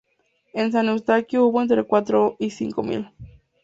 En San Eustaquio, hubo entre cuatro y cinco mil.